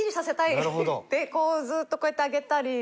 でこうずっとこうやって上げたりするポーズを。